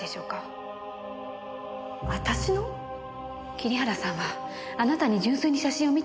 桐原さんはあなたに純粋に写真を見てもらいたかった。